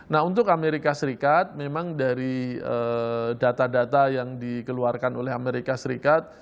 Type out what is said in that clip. nah untuk amerika serikat memang dari data data yang dikeluarkan oleh amerika serikat